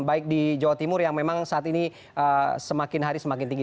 baik di jawa timur yang memang saat ini semakin hari semakin tinggi